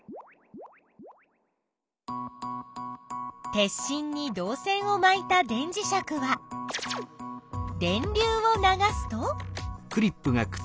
鉄しんに導線をまいた電磁石は電流を流すと？